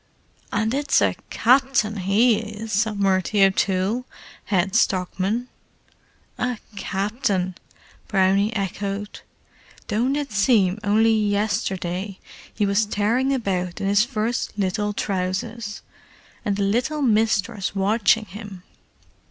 "And it's a Captin he is!" said Murty O'Toole, head stockman. "A Captain!" Brownie echoed. "Don't it seem only yesterday he was tearing about in his first little trousis, and the little mistress watching him!"